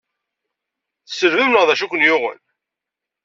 Tselbem neɣ d acu ay ken-yuɣen?